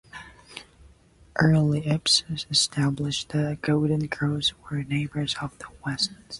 Early episodes established that "The Golden Girls" were neighbors of the Westons.